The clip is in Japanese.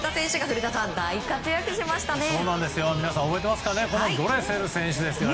皆さん、覚えてますか。